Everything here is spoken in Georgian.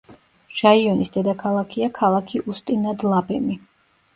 რაიონის დედაქალაქია ქალაქი უსტი-ნად-ლაბემი.